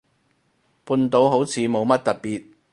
半島好似冇乜特別